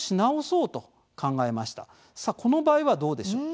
さあこの場合はどうでしょう。